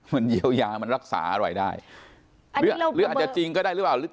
มันเยียวยามันรักษาอะไรได้หรืออาจจะจริงก็ได้หรือเปล่าหรือ